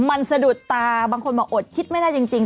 มันสะดุดตาบางคนบอกอดคิดไม่ได้จริง